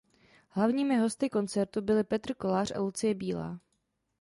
Hlavními hosty koncertu byli Petr Kolář a Lucie Bílá.